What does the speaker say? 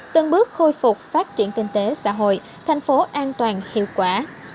từng bước khôi phục phát triển kinh tế xã hội thành phố an toàn hiệu quả